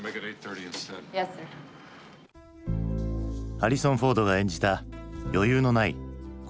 ハリソン・フォードが演じた余裕のない心